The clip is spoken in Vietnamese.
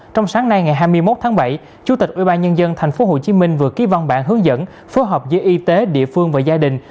trong sáng nay ngày hai mươi một tháng bảy chủ tịch ubnd tp hcm vừa ký văn bản hướng dẫn phối hợp giữa y tế địa phương và gia đình